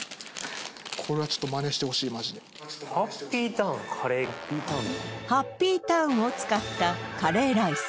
これはちょっとマネしてほしいマジでハッピーターンを使ったカレーライス